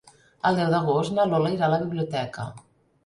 El deu d'agost na Lola irà a la biblioteca.